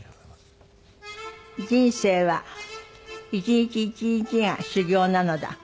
「人生は一日一日が修業なのだ」